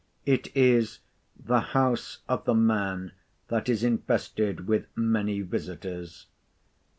It is—the house of the man that is infested with many visiters.